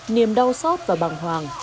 niềm đau xót và bằng hoàng